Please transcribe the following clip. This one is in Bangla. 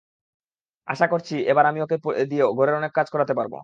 আশা করছি, এবার আমি ওকে দিয়ে অনেক ঘরের কাজ করাতে পারব।